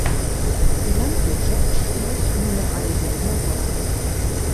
Die Landwirtschaft spielt nur noch eine geringe Rolle.